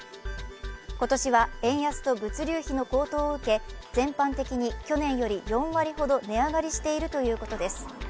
今年は円安と物流費の高騰を受け全般的に去年より４割ほど値上がりしているということです。